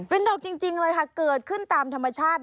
เป็นดอกจริงเลยค่ะเกิดขึ้นตามธรรมชาติ